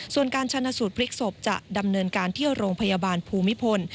ส่วนการชนะสูตรพลิกศพจะดำเนินการที่โรงพยาบาลภูมิพล